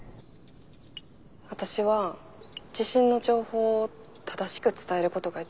私は地震の情報を正しく伝えることが一番やと思ってた。